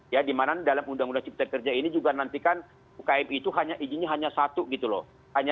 ya dimana dalam undang undang cipta kerja ini juga nanti kan ukm itu izinnya hanya satu gitu loh